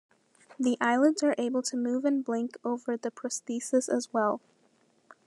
The eyelids are able to move and blink over the prosthesis as well.